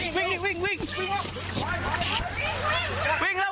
สวัสดีครับคุณผู้ชาย